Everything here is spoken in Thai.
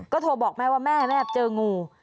ก็โทรบอกแม่ว่าแม่เจองู